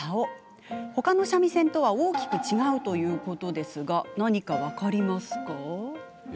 ほかの三味線とは大きく違うということですが何か分かりますか？